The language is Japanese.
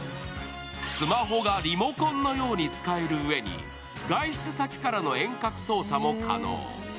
スマホがリモコンのように使えるうえに外出先からの遠隔操作も可能。